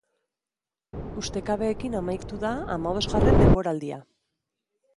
Ustekabeekin amaituko da hamabosgarren denboraldia.